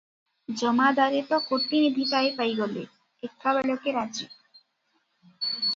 ଜମାଦାରେ ତ କୋଟିନିଧିଟାଏ ପାଇଗଲେ, ଏକା ବେଳକେ ରାଜି ।